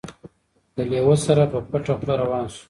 له لېوه سره په پټه خوله روان سو